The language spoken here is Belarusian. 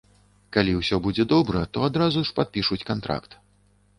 Калі ўсё будзе добра, то адразу ж падпішуць кантракт.